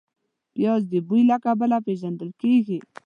پیاز د بوی له کبله پېژندل کېږي